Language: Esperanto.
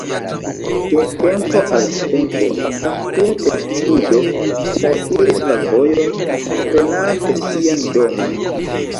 De tempo al tempo, apatia testudo trairis la vojon kuntrenante sian domon.